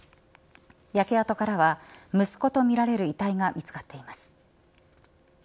焼け跡からは息子とみられる遺体が見つかっています。